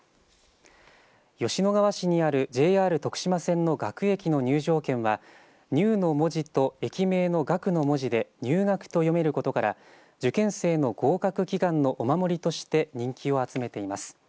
吉野川市にあるＪＲ徳島線の学駅の入場券は入の文字と駅名の学の文字で入学と読めることから受験生の合格祈願のお守りとして人気を集めています。